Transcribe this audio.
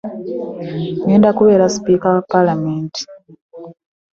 “Ŋŋenda kubeera Sipiika wa Palamenti "